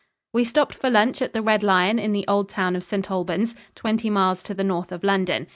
We stopped for lunch at the Red Lion in the old town of St. Albans, twenty miles to the north of London.